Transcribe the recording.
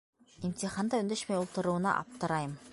Имтиханда өндәшмәй ултырыуына аптырайым.